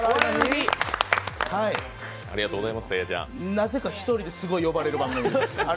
なぜか１人ですごい呼ばれる番組なんです。